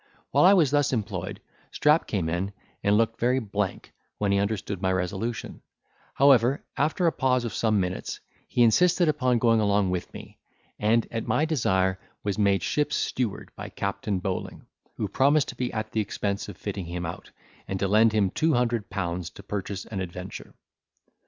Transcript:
While I was thus employed Strap came in, and looked very blank, when he understood my resolution: however, after a pause of some minutes, he insisted upon going along with me; and at my desire was made ship's steward by Captain Bowling, who promised to be at the expense of fitting him out, and to lend him two hundred pounds to purchase an adventure.